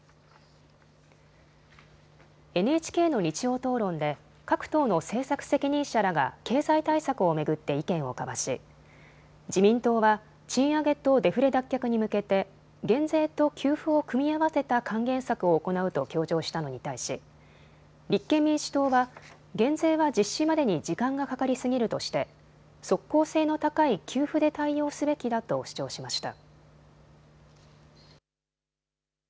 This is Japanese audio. ＮＨＫの日曜討論で各党の政策責任者らが経済対策を巡って意見を交わし自民党は賃上げとデフレ脱却に向けて減税と給付を組み合わせた還元策を行うと強調したのに対し立憲民主党は減税は実施までに時間がかかりすぎるとして即効性の高い給付で対応すべきだと主張しました。